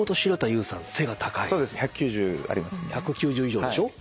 １９０以上でしょ？